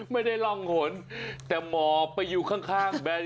ไม่ได้ร่องหนแต่หมอไปอยู่ข้างแนน